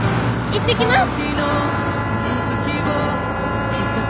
行ってきます！